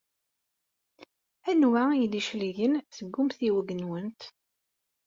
Anwa ay d-icelgen seg umtiweg-nwent?